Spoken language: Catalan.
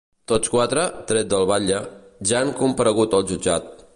Tots quatre, tret del batlle, ja han comparegut al jutjat.